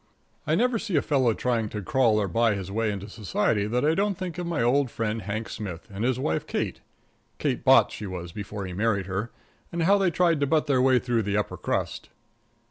I never see a fellow trying to crawl or to buy his way into society that I don't think of my old friend Hank Smith and his wife Kate Kate Botts she was before he married her and how they tried to butt their way through the upper crust.